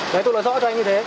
đấy tôi nói rõ cho anh như thế